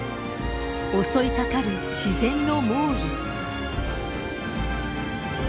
襲いかかる自然の猛威。